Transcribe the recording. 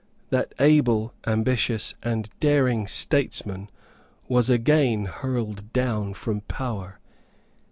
That able, ambitious and daring statesman was again hurled down from power.